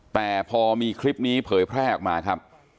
แต่พอมีคลิปนี้เผยแพร่ออกมาครับ